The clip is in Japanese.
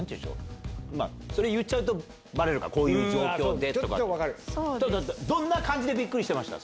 それ言っちゃうとバレるかこういう状況でとか。